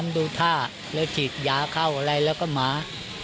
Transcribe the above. ดูท่าแล้วฉีดยาเข้าอะไรแล้วก็หมา